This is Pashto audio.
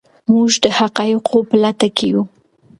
موږ د حقایقو په لټه کې یو.